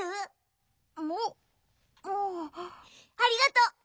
ありがとう。